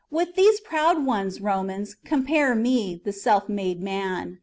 With these proud ones, Romans, com pare me, the self made man.